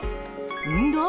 運動？